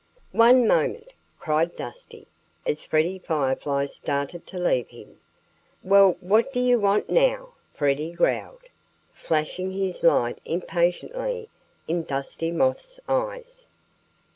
"One moment!" cried Dusty, as Freddie Firefly started to leave him. "Well what do you want now?" Freddie growled, flashing his light impatiently in Dusty Moth's eyes.